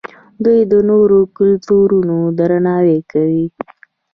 دوی د نورو کلتورونو درناوی کوي.